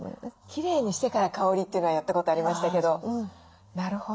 きれいにしてから香りっていうのはやったことありましたけどなるほど。